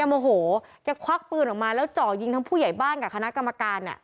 โมโหแกควักปืนออกมาแล้วจ่อยิงทั้งผู้ใหญ่บ้านกับคณะกรรมการ